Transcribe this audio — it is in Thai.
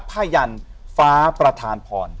ผ้ายันฟ้าประธานพร